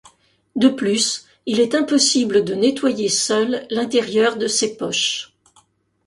De plus il est impossible de nettoyer seul l'intérieur de ces poches.